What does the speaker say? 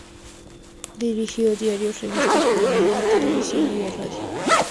Dirigió diarios, revistas, programas de televisión y de radio.